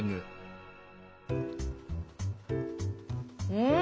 うん！